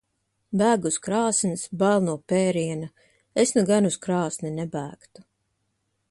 Bēg uz krāsns. Bail no pēriena. Es nu gan uz krāsni nebēgtu.